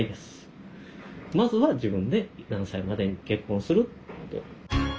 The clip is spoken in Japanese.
まずは自分で何歳までに結婚するって。